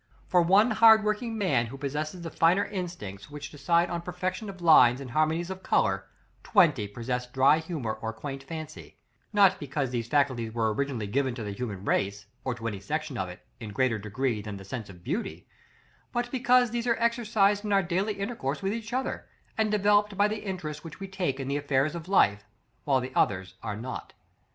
For one hard working man who possesses the finer instincts which decide on perfection of lines and harmonies of color, twenty possess dry humor or quaint fancy; not because these faculties were originally given to the human race, or to any section of it, in greater degree than the sense of beauty, but because these are exercised in our daily intercourse with each other, and developed by the interest which we take in the affairs of life, while the others are not.